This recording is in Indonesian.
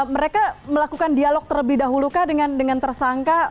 mereka melakukan dialog terlebih dahulu kah dengan tersangka